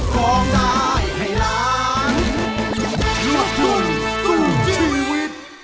คิดดูให้ดี